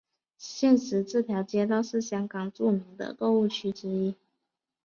现时这条街道是香港著名的购物区之一。